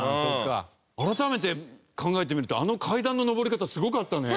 改めて考えてみるとあの階段の上り方すごかったね。